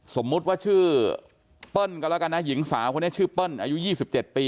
สมมุติว่าชื่อเปิ้ลก็แล้วกันนะหญิงสาวคนนี้ชื่อเปิ้ลอายุ๒๗ปี